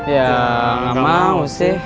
ya gak mau sih